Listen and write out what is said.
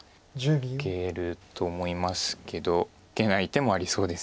受けると思いますけど受けない手もありそうです。